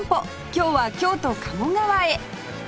今日は京都鴨川へ